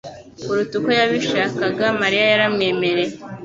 kuruta uko yabishakaga Mariya yaramwemereye